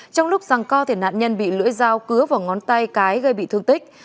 trong lúc sang co nạn nhân bị lưỡi dao cứa vào ngón tay cái gây bị thương tích